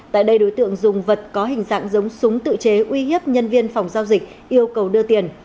tại đây đối tượng dùng vật có hình dạng giống súng tự chế uy hiếp nhân viên phòng giao dịch yêu cầu đưa tiền